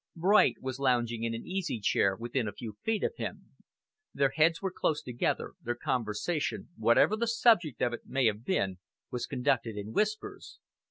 Bright was lounging in an easy chair within a few feet of him. Their heads were close together; their conversation, whatever the subject of it may have been, was conducted in whispers.